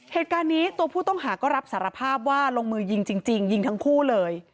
เหตุการณ์นี้ตัวผู้ต้องหาก็รับสารภาพว่าลงมือยิงจริงยิงทั้งคู่เลย